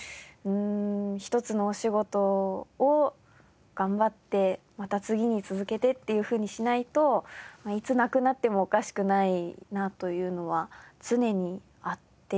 一つのお仕事を頑張ってまた次に続けてっていうふうにしないといつなくなってもおかしくないなというのは常にあって。